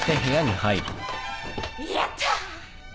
やったー！